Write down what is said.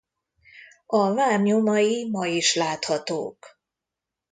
A vár nyomai ma is láthatók.